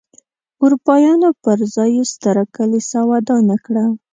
اروپایانو پر ځای یې ستره کلیسا ودانه کړه.